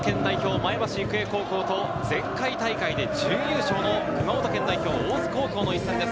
・前橋育英高校と前回大会で準優勝の熊本県代表・大津高校の一戦です。